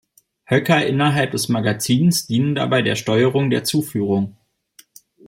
Höcker innerhalb des Magazins dienen dabei der Steuerung der Zuführung.